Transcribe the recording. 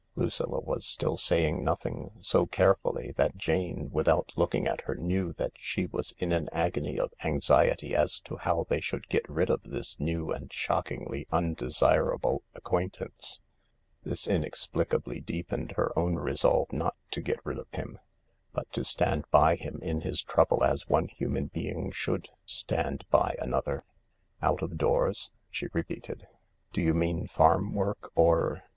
Lucilla was still saying nothing so carefully that Jane, without looking at her, knew that she was in an agony of anxiety as to how they should get rid of this new and shockingly undesirable acquaintance. This inexplicably deepened her own resolve not to get rid of him, but to stand by him in his trouble as one human being should stand by another, " Out of doors ?" she repeated. " Do you mean farm work or ..